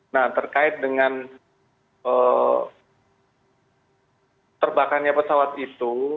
nah terkait dengan terbakarnya pesawat itu